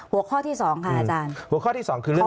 หัวข้อที่สองค่ะอาจารย์